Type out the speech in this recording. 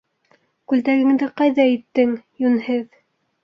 - Күлдәгеңде ҡайҙа иттең, йүнһеҙ?